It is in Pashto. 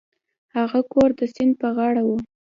هغه کور د سیند په غاړه و.